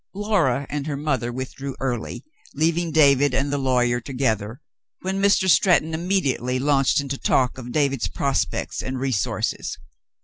Laura and her mother withdrew early, leaving David and the lawyer together, when Mr. Stretton immediately launched into talk of David's prospects and resources.